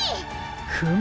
フム！